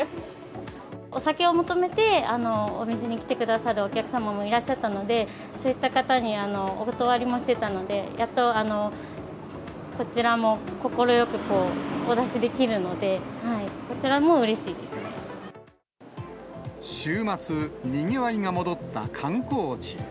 お酒を求めてお店に来てくださるお客様もいらっしゃったので、そういった方にお断りもしてたので、やっとこちらも、快くお出しできるので、週末、にぎわいが戻った観光地。